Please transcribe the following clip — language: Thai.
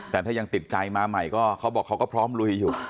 แต่ถ้ายังติดใจมาใหม่ก็เขาบอกเขาก็พร้อมลุยอยู่